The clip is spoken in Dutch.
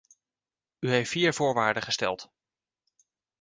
U heeft vier voorwaarden gesteld.